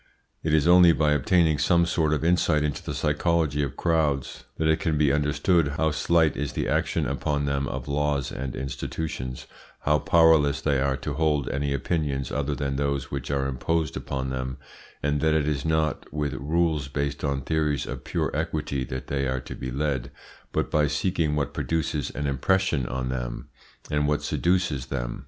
It is only by obtaining some sort of insight into the psychology of crowds that it can be understood how slight is the action upon them of laws and institutions, how powerless they are to hold any opinions other than those which are imposed upon them, and that it is not with rules based on theories of pure equity that they are to be led, but by seeking what produces an impression on them and what seduces them.